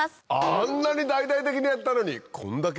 あんなに大々的にやったのにこんだけ？